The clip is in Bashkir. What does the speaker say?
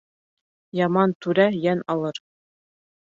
Яман түрә йән алыр.